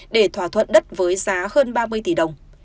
để thỏa thuận đất với giá hơn ba mươi tỷ đồng